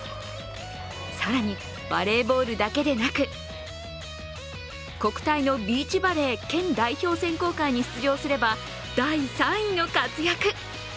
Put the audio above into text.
更にバレーボールだけでなく国体のビーチバレー県代表選考会に出場すれば第３位の活躍。